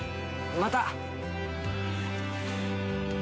また！